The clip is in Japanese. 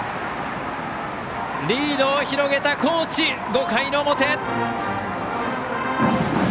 リードを広げた高知、５回の表！